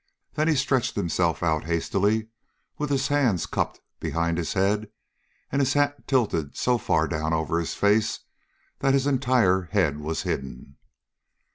There he stretched himself out hastily, with his hands cupped behind his head and his hat tilted so far down over his face that his entire head was hidden.